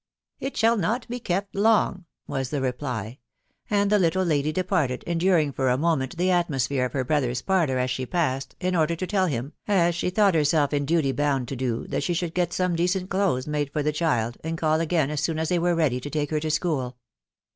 " Itahall not be kept. long/' was the/ reply .; and (the little lady departed, enduring for a moment the atmosphere of 'her brother's parlour as she passed, in order to tell 4dm, jbjs ahe thought herself in duty bound to do, that she should jget some decent clothes made for .the child, .and ealliagain asisaon as they were ready .to take Jier. to school.